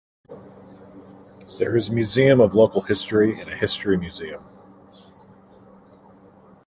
There is a museum of local history and a history museum.